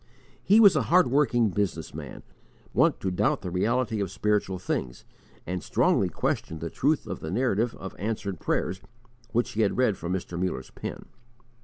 He was a hard working business man, wont to doubt the reality of spiritual things, and strongly questioned the truth of the narrative of answered prayers which he had read from Mr. Muller's pen.